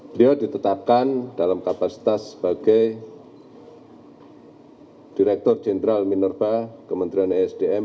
beliau ditetapkan dalam kapasitas sebagai direktur jenderal minerba kementerian esdm